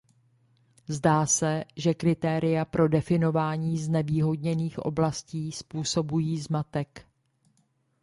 Zdá se, že kritéria pro definování znevýhodněných oblastí způsobují zmatek.